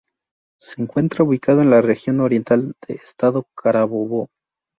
Se encuentra ubicado en la "Región Oriental" del Estado Carabobo.